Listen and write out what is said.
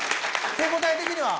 手応え的には？